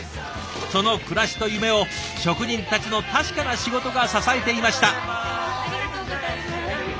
その暮らしと夢を職人たちの確かな仕事が支えていました。